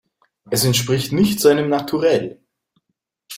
Es entspricht nicht seinem Naturell.